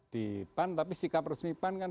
di pan tapi sikap resmi pan kan